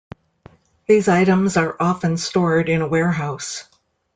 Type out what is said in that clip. These items are often stored in a warehouse.